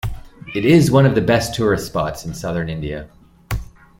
It is one of the best tourist spots in Southern India.